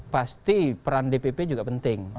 pasti peran dpp juga penting